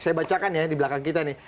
saya bacakan ya di belakang kita nih